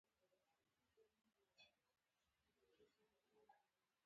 زمین د کشش مرکز دی.